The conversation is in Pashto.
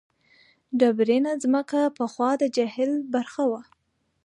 ډبرینه ځمکه پخوا د جهیل برخه وه.